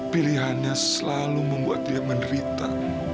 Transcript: pilihannya selalu membuat dia menderita